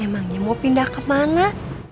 emangnya mau pindah kemana